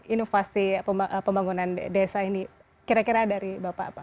inovasi pembangunan desa ini kira kira dari bapak apa